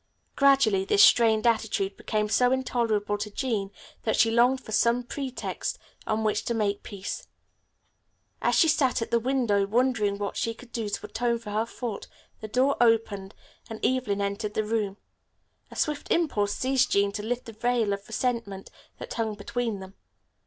Gradually this strained attitude became so intolerable to Jean that she longed for some pretext on which to make peace. As she sat at the window wondering what she could do to atone for her fault the door opened and Evelyn entered the room. A swift impulse seized Jean to lift the veil of resentment that hung between them.